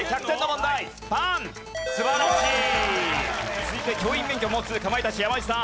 続いて教員免許を持つかまいたち山内さん。